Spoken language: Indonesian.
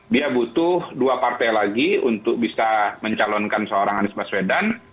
dia butuh dua partai lagi untuk bisa mencalonkan seorang anies baswedan